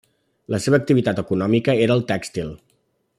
La seva activitat econòmica era el tèxtil.